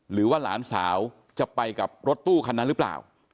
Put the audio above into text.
หรือว่าหลานสาวจะไปกับรถตู้คันนั้นหรือเปล่า